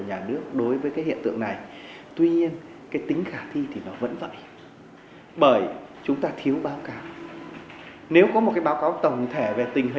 những bài tờ chứng minh